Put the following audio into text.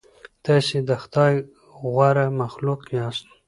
تاسې د خدای غوره مخلوق یاست.